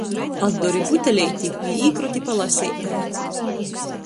Atdori buteleiti i īkroti pa laseitei.